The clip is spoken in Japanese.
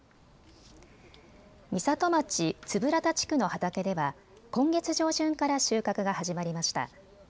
美里町円良田地区の畑では今月上旬から収穫が始まりました。